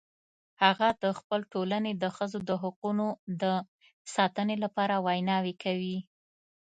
هغه د خپل ټولنې د ښځو د حقونو د ساتنې لپاره ویناوې کوي